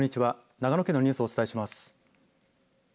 長野県のニュースをお伝えします。